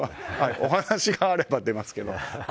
お話があれば出ますけど。